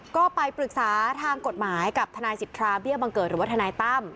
ก็ไปปรึกษาทางกฎหมายกับทนายสิทธาเบี้ยบังเกิดหรือว่าทนายตั้ม